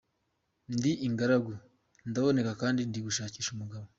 Ndi ingaragu, ndaboneka kandi ndi gushakisha umugabo.